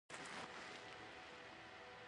د پښتون ژغورني غورځنګ او د هغه د لارښود منظور پښتين.